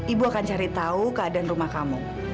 ibu akan cari tahu keadaan rumah kamu